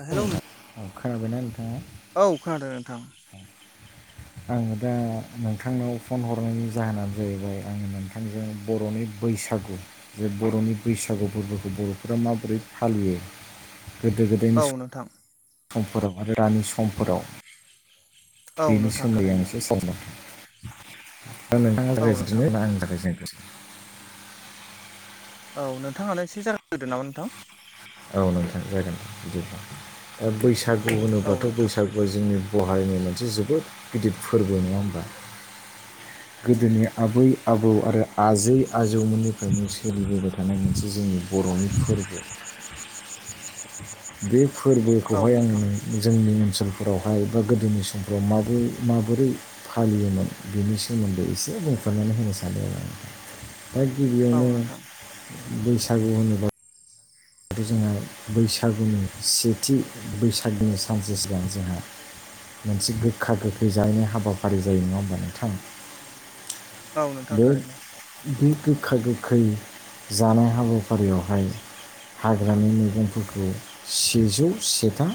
Hello नों ओं खोनाबायना नोंथाङा? औ खोनादों नोंथां औ। आङो दा नोंथांनाव फन हरनायनि जाहोनानो जाहैबाय आङो नोंथांजों बर'नि बैसागु जे बर'नि बैसागु फोरबोखौ बर'फोरा माबोरै फालियो गोदो गोदायनि औ नोंथां। समफोराव आरो रानि समफोराव औ बेनि नोंथां सोमोन्दै आं थारैनो एसे औ नोंथां [unintelligible] [inaudible] औ नोंथाङानो एसे जार होदो नामा नोंथां? औ नोंथां जागोन बिदिब्ला बैसागु औ होनोब्लाथ' नोंथां बैसागुआ जोंनि गहायनि मोनसे जोबोद गिदिर फोरबो नङा होमबा? गोदोनि आबै आबौ आरो आजै आजौमोननिफ्रायनो सोलिबोबाय थानाय मोनसे जोंनि ब बर'नि फोरबो। बे औ फोरबोखौहाय आङो नोंथां नों जोंनि ओनसोल फोरावहाय बा गोदोनि समफ्राव माबोरै माबोरै फालियोमोन बेनि सोमोन्दै एसे बुं फोरमायना होनो सानो आरो आङो। दा औ गिबियावनो नोंथां बैसागु होनोब्ला जोंहा बैसागुनि सेथि बैसागुनि सानसे सिगां जोंहा मोनसे गोखा गोखै जानायनि हाबाफारि जायो नङा होमबा नोंथां? औ नोंथां बे थारैनो। बे गोखा गोखै जानाय हाबाफारियावहाय हाग्रानि मैगंफोरखौ सेजौ सेथा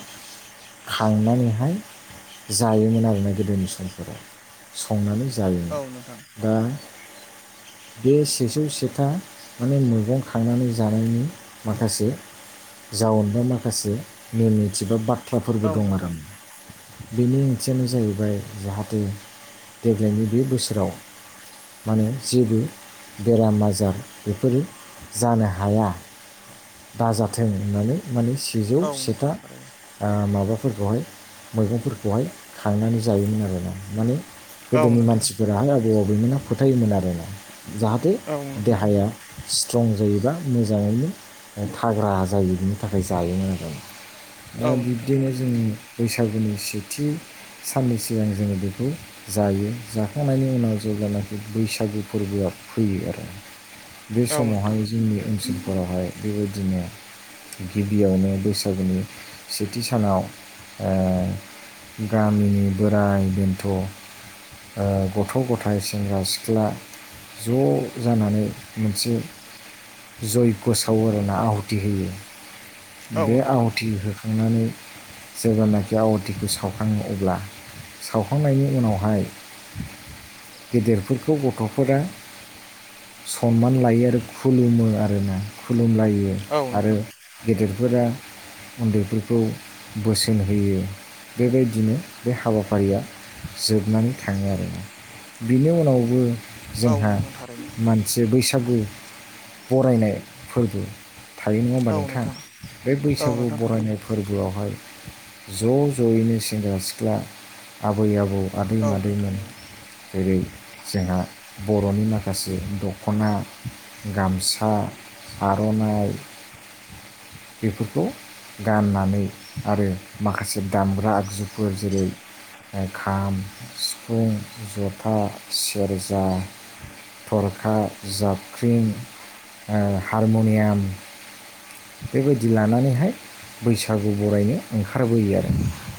खांनानैहाय जायोमोन आरोना गोदोनि समफोराव संनानै ज औ नोंथां जायो। दा बे सेेजौ सेथा माने मैगं खांनानै जानायनि माखासे जाउन बा माखासे नेम निथि बा बाथ्रा फोरबो औ दं आरो। नोंथां बेनि ओंथियानो जाहैबाय जाहाथे देग्लायनि बे बोसोराव माने जेबो बेराम आजार बेफोरो जानो हाया दाजाथों होननानै माने सेजौ औ सेथा नोंथां थारैनो माबा फोरखौहाय मैगंफोरखौहाय खांनानै जायोमोन आरोना माने औ गोदोनि नोंथां मानसिफोरा आइ आबौ आबैमोनहा फोथायोमोन आरो ना जाहाथे औ नोंथां देहाया स्ट्रं जायोबा मोजाङैनो थाग्रा जायो इनि थाखाय जायोमोन आरो। औ दा नोंथां बिब्दिनो थारैनो जों बैसाग सागुनि सेथि साननै सिगां जोङो बेखौ जायो। जाखांनायनि उनाव जौगानाय बैसागु फोरबोआ फैयो आरो बे औ नोंथां समावहाय जोंनि ओनसोलफोरावहाय बेबायदिनो गिबियावनो बैसागुनि सेथि सानाव ओ गामिनि बोराय बेन्थ' ओ गथ' गथाइ सेंग्रा सिख्ला ज' जानानै मोनसे जयग' स सावो आरोना आहुथि होयो औ बे नोंथां आहुथि होखांनानै जेब्लानाखि आवाथिखौ सावखाङो अब्ला सावखांनायनि उनावहाय गेदेरफोरखौ गथ'फोरा सनमान लायो आरो खुलुमो आरोना। खुलुमलायो औ आरो नोंथां गेदेरफोरा उन्दैफोरखौ बोसोन होयो बेबायदिनो बे हाबाफारिया जोबनानै थाङो आरो बिनि उनावबो औ जोंहा नोंथां थारैनो मानसि बैसागु बरायनाय फोरबो थायो नङा होमबा नोंथां बे औ बैसागु नोंथां थारैनो बरायनाय फोरबोआवहाय ज' ज'यैनो सेंग्रा सिख्ला आबै आबौ आदै औ नोंथां मादैमोन। थारैनो जेरै जोंहा बर'नि माखासे दखना गामसा आर'नाइ बेफोरखौ गाननानै आरो माखासे दामग्रा आगजुफोर जेरै खाम सिफुं जथा सेरजा थरखा जाबख्रिं ओ हारमुनियाम बेबायदि लानानैहाय बैसागु बरायनो ओंखारबोयो आरो।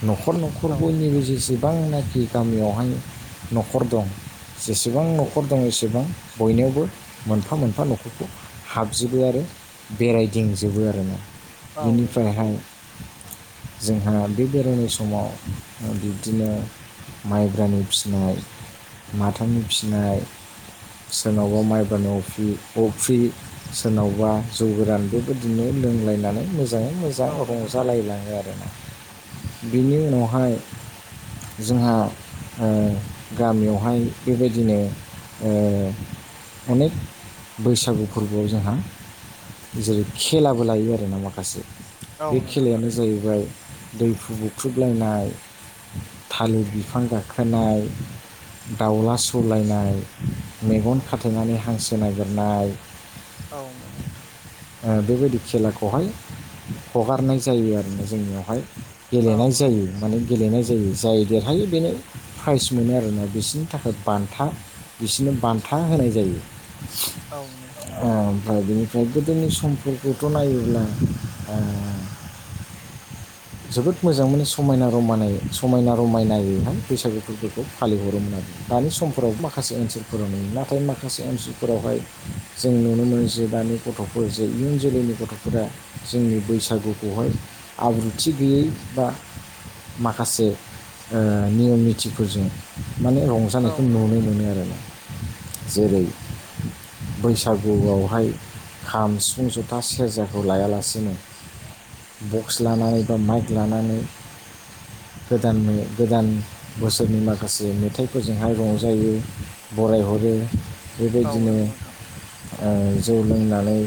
न'खर न'खर औ बयनिबो नोंथां जेसेबांनाखि गामियावहाय न'खर दं जेसेबां न'खर दं एसेबां बयनियावबो मोनफा मोनफा न'खरखौ हाबजोबो आरो बेरायथिंजोबो आरोना औ नोंथां बेनिफ्रायहाय जोंहा बे बेरायनाय समाव बिब्दिनो माइब्रानि फिसिनाय माथानि फिनाय सोरनावबा माइब्रानि अफ्रि अफ्रि सोरनावबा जौ गोरानबो बिदिनो लोंलायनानै मोजाङै मोजां औ नोंथां थारैनो रंजालायलाङो आरो ना। बेनि उनावहाय जोंहा ओ गामियावहाय बेबायदिनो ओ अनेक बैसागु फोरबोआव जोंहा जेरै खेलाबो लायो आरोना माखासे औ बे नोंथां खेलायानो थारैनो जाहैबाय दै फु बुख्रुबलायनाय थालिर बिफां गाखोनाय दाउला सौलायनाय मेगन खाथेनानै हांसो नागिरनाय औ नंगौ नोंथां। ओ बेबायदि खेलाखौहाय हगारनाय जायो आरोना जोंनियावहाय। औ गेलेनाय नंगौ जायो नोंथां माने गेलेनाय जायो। जाय देरहायो बेनो प्राइज मोनो आरोना बिसोरनि थाखाय बान्था बिसोरनो बान्था होनाय जायो औ नंगौ नोंथां ओमफ्राय बिनिफ्राय गोदोनि सम समफोरखौथ' नायोब्ला ओ जोबोद मोजां माने समायना रमायनाय समायना रमायनायैहाय बैसागु फोरबोखौ फालिहरोमोन आरो। दानि समफोराव माखासे ओनसोलफोराव नुयो नाथाय माखासे ओनसोलफोरावहाय जों नुनो मोनो जे दानि गथ'फोर जे इयुन जोलैनि गथ'फोरा जोंनि बैसागुखौहाय आब्रु थि गैयै बा माखासे ओ नियम निथिफोरजों माने औ रंजानायखौ नंगौ नुनो नोंथां मोनो आरो ना जेरै बैसागुआवहाय खाम सिफुं जथा सेरजाखौ लायालासेनो बक्स लानानै बा माइक लानानै गोदान गोदान बोसोरनि माखासे मेथाइफोरजोंहाय रंजायो बरायहरो। बे औ बेबायदिनो नंगौ नोंथां ओ जौ लोंनानै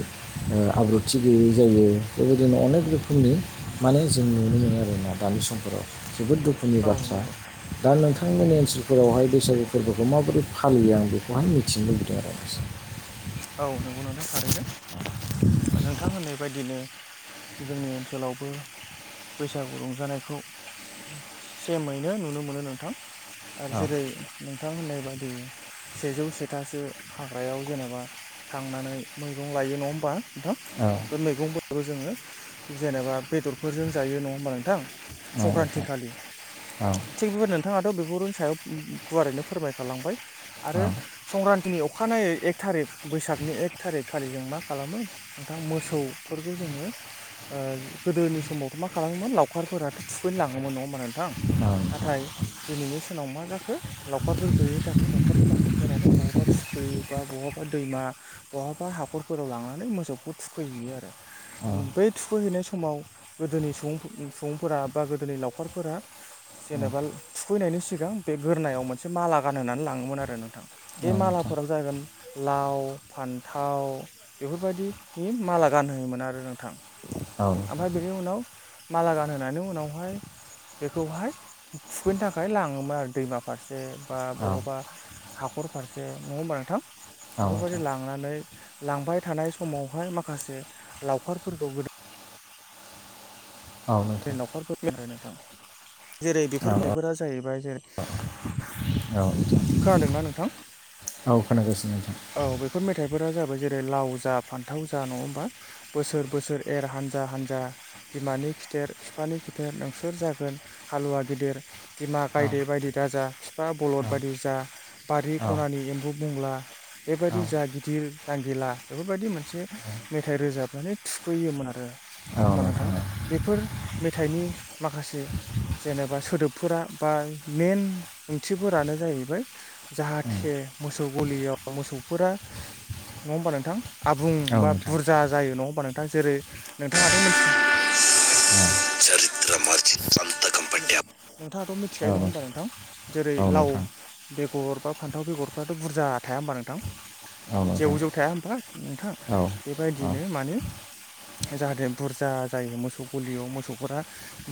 ओ आब्रुथि गैयै जायो बेबायदिनो अनेक रोखोमनि। माने जों नुनो मोनो आरोना दानि समफोराव जोबोद दुखु औ नंगौ नोंथां। दा नोंथांमोननि ओनसोलफोरावहाय बैसागु फोरबोखौ माबोरै फालियो आं बेखौहाय मिथिनो लुबैदों आरो एसे। [inaudible] औ नंगौ नोंथां थारैनो नोंथां होननाय बायदिनो जोंनि ओनसोलावबो बैसागु रंजानायखौ सेमैनो नुनो मोनो नोंथां। आरो औ जेरै नोंथां होननाय बायदि सेजौ सेथासो हाग्रायाव जेनेबा थांनानै मैगं लायो नङा होमबा नोंथां औ बे मैगंफोरखौ जोङो जेनेबा बेदरफोरजों जायो नङा होमबा नोंथां? संक्रान्ति नोंथां खालि औ थिग बेबायदि नोंथाङाथ' बेफोरनि सायाव गुवारैनो फोरमायखा लांबाय औ आरो संक्रान्तिनि अखानायै एक थारिक बैसागनि एक थारिक खालि‌‌ जों मा खालामो नोंथां मोसौफोरखौ जोङो गोदोनि सम समावथ' मा खालामोमोन लावखारफोराथ' थुखैनो लाङोमोन नङा होमबा नोंथां? नाथाय दिनैनि सानाव मा जाखो लावखारफोर गैयिनि थाखाय न'खरनि मालिकफोरानो बबावबा थुख बा बहाबा दैमा बहाबा हाखरफोराव लांनानै मोसौखौ थुखैहैयो आरो। औ बै थुखैहैनाय स माव गोदोनि सुबुं सुबुंफोरा बा गोदोनि लावखारफोरा जेनेबा थुखैनायनि सिगां बे गोरनायाव मोनसे माला गानहोनानै लाङोमोन आरो नोंथां औ नोंथां बे औ नोंथां मालाफोराव जागोन लाव फान्थाव बेफोरबायदिनि माला गानहोयोमोन आरो नोंथां। औ नोंथां औ नोंथां औ ओमफ्राय बेनि उनाव माला गानहोनायनि उनावहाय बेखौहाय थुखैनो थाखाय लाङोमोन आरो दैमा फारसे बा बहाबा हाखर फारसे नङा होमबा नोंथां बेफोरबायदि लांनानै लांबाय थानाय समावहाय माखासे लावखारफोरखौ गोदो नि न'खरफोर [inaudible] नोंथां जेरै बेफोर मैफ्रा जाहैबाय जे औ नोंथां खोनादोंना नोंथां औ खोनागासिनो नोंथां औ बेफोर मेथाइफोरा जाबाय जेरै लाव जा फान्थाव जा नङा होमबा बोसोर बोसोर एर हानजा हानजा बिमानि खिथेर बिफानि खिथेर नोंसोर जागोन हालुवा गेदेर बिमा औ गायदे बायदि दा जा बिफा औ बलद बायदि जा बारि औ खनानि एम्बु बंग्ला बेबायदि जा गिदिर जांगिला बेफोरबायदि मोनसे मेथाइ रोजाबनानै थु खैयोमोन आरो। नङा औ होमबा नोंथां औ। बेफोर मेथाइनि माखासे जेनेबा सोदोबफोरा बा मेन ओंथिफोरानो जाहैबाय जाहाथे बे मोसौ गलियाव मोसौफोरा नङा होमबा नोंथां? आबुं औ बा नोंथां बुरजा जायो नङा होमबा नोंथां जेरै नोंथाङाथ' मिथि औ औ [unintelligible] नोंथाङाथ' मिथिखायो नङा होमबा नोंथां जेरै औ लाव नोंथां बेगर बा फान्थाव बेगरफ्राथ' बुरजा थाया होमबा नोंथां? औ जेव नोंथां जेव थाया होमबा नोंथां औ औ बेबायदिनो माने जाहाथे बुरजा जायो मोसौ गलियाव मोसौफोरा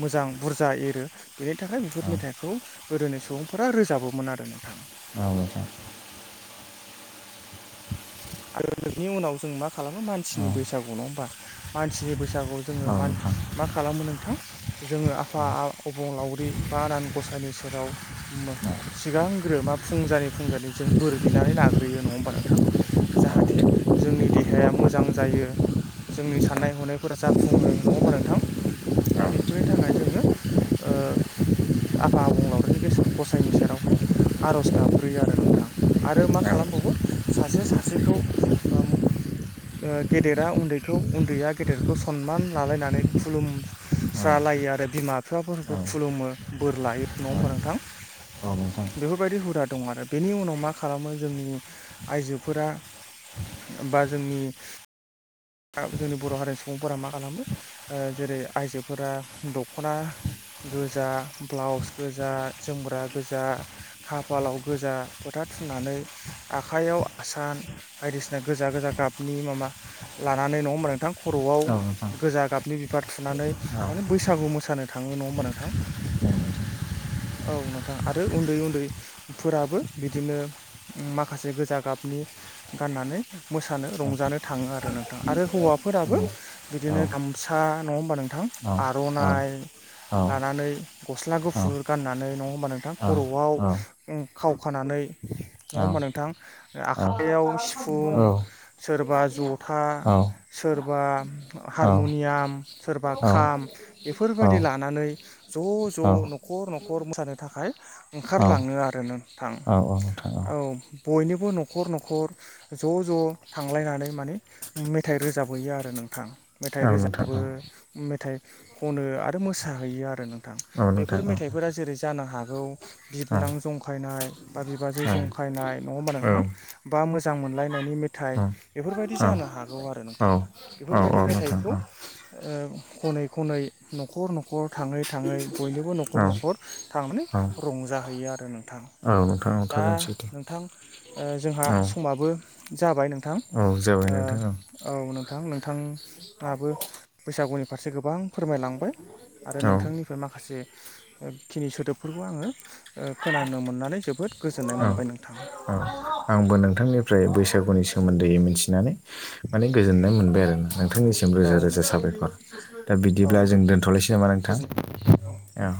मोजां बुरजा एरो। बेनि थाखाय औ बेफोर मेथाइखौ गोदोनि सुबुंफोरा रोजाबोमोन आरो नोंथां। औ नोंथां [inaudible] आरो बेनि उनाव जों मा खालामो औ मानसिनि बैसागु नङा होमबा मानसिनि बैसागुआव जोङो औ मान नोंथां मा खालामो नोंथां? जोङो आफा आ अबंलावरि बा आनान गसायानि सेराव मो औ सिगांग्रो मा फुंजानि फुंजानि जों बोर बिनानै लाग्रोयो नङा होमबा नोंथां? जाहाथे औ जोंनि देहाया मोजां जायो। जोंनि साननाय हनायफोरा जाफुङो। नङा होमबा नोंथां? दा बेफोरनि थाखाय जोङो ओ आफा अबंलावरिनि गेसा गसाइनि सेरावहाय आर'ज गाबग्रोयो आरो नोंथां आरो मा खालाम बावो सासे सासेखौ उम ओ गेदेरा उन्दैखौ उन्दैया गेदेरखौ सन मान लालायनानै खुलुम स्रालायो आरो बिमा औ बिफाफोरखौ खुलुमो बोर लायो नङा होमबा नोंथां? औ नोंथां औ नोंथां औ नोंथां बेफोरबायदि हुदा दं आरो बेनि उनाव मा खालामो जोंनि आइजोफोरा बा जोंनि जोंनि बर' हारिनि सुबुंफोरा मा खालामो ओ जेरै आइजोफोरा दख'ना गोजा ब्लाउस गोजा जोमग्रा गोजा खाफालाव गोजा फोथा फुननानै आखाइयाव आसान बायदिसिना गोजा गोजा गाबनि माबा लानानै नङा होमबा नोंथां खर'आव औ नोंथां औ नोंथां गोजा गाबनि बिबार थुनानै औ माने औ बैसागु मोसानो थाङो नङा होमबा नोंथां? औ औ नोंथां आरो उन्दै उन्दैफोराबो बिदिनो उम माखासे गोजा गाबनि गाननानै मोसानो रंजानो थाङो आरो नों थां आरो हौवाफोराबो बिदिनो गामसा नङा होमबा नों थां आर'नाइ लानानै गस्ला गुफुर गाननानै नङा होमबा नोंथां खर'आव उ खावखानानै नङा होमबा नोंथां? ओ आखाइयाव सिफुं सोरबा जथा औ सोरबा हारमुनियाम सोरबा खाम बेफोरबायदि लानानै ज' ज' न'खर न'खर मोसानो थाखाय ओंखारलाङो आरो नों औ औ नोंथां। औ बयनिबो न'खर न'खर ज' ज' थांलायनानै माने मेथाइ रोजाबहैयो आरो नोंथां मेथाइ रोजाबो मेथाइ खनो आरो मोसा हैयो आरो नोंथां बेफोर मेथाइफोरा जेरै जानो हागौ बिबोनां जंखायनाय बा बिबाजै जंखायनाय नङा होमबा नोंथां बा मोजां मोनलायनायनि मेथाइ बेफोरबायदि औ जानो हाग हागौ आरो औ नोंथां औ औ बेफोरबायदि नोंथां मेथाइखौ औ ओ खनै खनै न'खर न'खर थाङै थाङै बयनिबो न'खर औ न'खर थां नानै औ रंजाहैयो आरो नोंथां। औ नोंथां औ दा थारैनो सैथो नोंथां ओ जोंहा औ समाबो जाबाय नोंथां। औ जाबाय ओ नोंथां औ। औ नोंथां नोंथाङाबो बैसागुनि फारसे गोबां फोरमायलांबाय। आरो औ नोंथांनिफ्राय माखासे [inaudible] ओ खिनि सोदोबफोरखौ आङो ओ खोनानो मोननानै जोबोद गोजोननाय औ मोनबाय नोंथां। [inaudible] आंबो नोंथांनिफ्राय बैसागुनि सोमोन्दै मिनथिनानै माने गोजोननाय मोनबाय आरो। नोंथांनिसिम औ रोजा रोजा नोंथां साबायखर। दा औ बिदिब्ला जों दोन्थ'लायसै नामा नोंथां? गोजोन औ